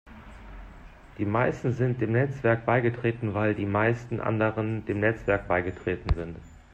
Die meisten sind dem Netzwerk beigetreten, weil die meisten anderen dem Netzwerk beigetreten sind.